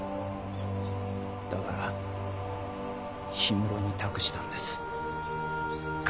だから氷室に託したんです。